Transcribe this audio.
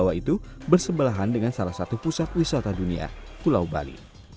jawa itu bersebelahan dengan salah satu pusat wisata dunia pulau bali